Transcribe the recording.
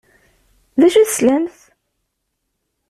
D acu i telsamt?